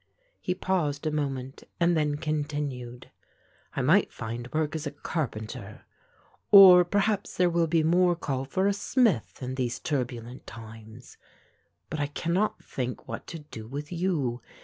He paused a moment and then continued; "I might find work as a carpenter, or perhaps there will be more call for a smith in these turbulent times. But I cannot think what to do with you.